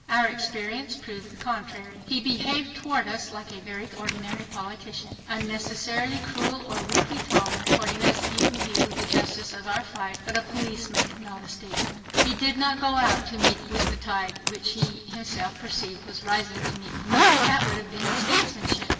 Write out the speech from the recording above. Our experience proved the contrary. He behaved toward us like a very ordinary politician. Unnecessarily cruel or weakly tolerant, according as you view the justice of our fight, but a politician, not a statesman. He did not go out to meet the tide which he himself perceived was "rising to meet the moon" That would have been statesmanship.